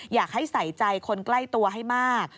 อยากให้ใส่ใจคนใกล้ตัวให้มาก